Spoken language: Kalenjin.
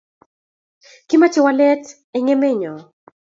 Kimache walet eng' emet nyo.